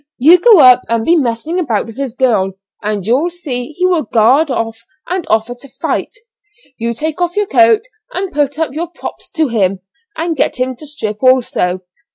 You go up and be messing about with his girl, and you'll see he will guard and offer to fight. You take off your coat and put up your 'props' to him, and get him to strip also.